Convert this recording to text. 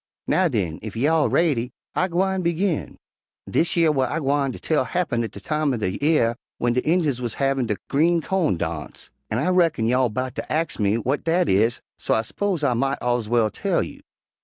Now, den, ef y'all raidy, I gwine begin. "Dish yer w'at I gwine tell happen at de time er de 'ear w'en de Injuns wuz havin' der green cawn darnse, an' I reckon you all 'bout ter ax me w'at dat is, so I s'pose I mought ez well tell you.